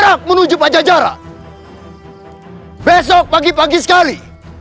aku yang pimpin sendiri